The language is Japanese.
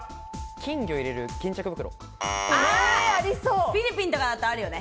金魚入れる巾着袋。